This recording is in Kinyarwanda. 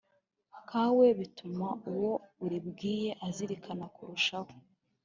kawe bituma uwo uribwiye arizirikana kurushaho.